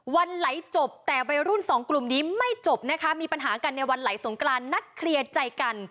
วันไหลจบแต่วัยรุ่นสองกลุ่มนี้ไม่จบนะคะมีปัญหากันในวันไหลสงกรานนัดเคลียร์ใจกัน